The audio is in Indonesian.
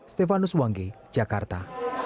stefanus wangge jakarta